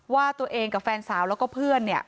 ว่าตัวเองกับแฟนสาวแล้วก็เพื่อน